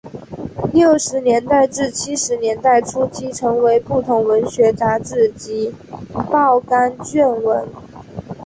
六十年代至七十年代初期曾为不同文学杂志及报刊撰文。